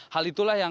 hal itulah yang